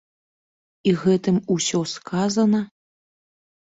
І гэтым усё сказана.